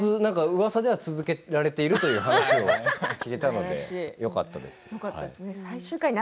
うわさでは続けられているという話を聞いたのでよかったです。。